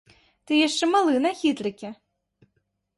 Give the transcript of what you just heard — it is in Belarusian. Ты яшчэ малы на хітрыкі!